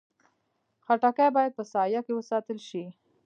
خټکی باید په سایه کې وساتل شي.